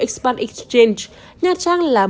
expand exchange nha trang là